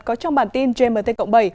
có trong bản tin gmt cộng bảy